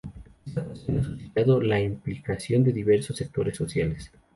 Esta cuestión ha suscitado la implicación de diversos sectores sociales.